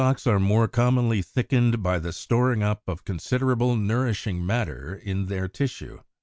Rootstocks are more commonly thickened by the storing up of considerable nourishing matter in their tissue.